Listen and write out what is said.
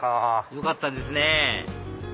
よかったですね